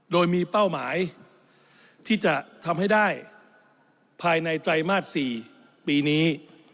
โดยมีเป้าหมายที่จะทำให้ได้ภายในไตรมาส๔ปีนี้